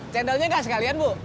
cendolnya enggak sekalian bu